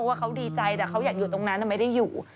ว่าเขาดีใจแต่เขาอยากอยู่ตรงนั้นไม่ได้อยู่